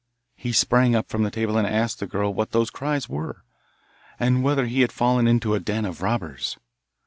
He sprang up from the table and asked the girl what those cries were, and whether he had fallen into a den of robbers.